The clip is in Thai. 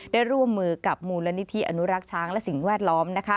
ร่วมมือกับมูลนิธิอนุรักษ์ช้างและสิ่งแวดล้อม